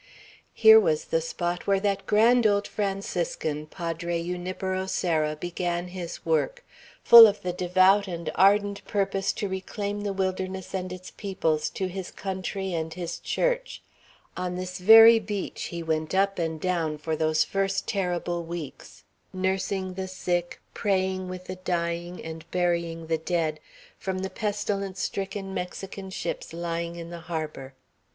Here was the spot where that grand old Franciscan, Padre Junipero Serra, began his work, full of the devout and ardent purpose to reclaim the wilderness and its peoples to his country and his Church; on this very beach he went up and down for those first terrible weeks, nursing the sick, praying with the dying, and burying the dead, from the pestilence stricken Mexican ships lying in the harbor.